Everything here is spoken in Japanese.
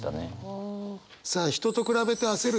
さあ人と比べて焦る気持ち。